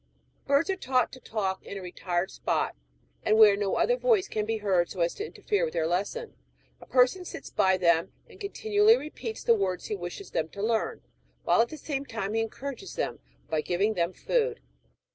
Birds are taught to talk in a retired spot, and where no other voice can be heard, so as to interfere with their lesson ; a person sits by them, and continually repeats the words he wishes them to learn, while at the same time he encourages them by giving them food.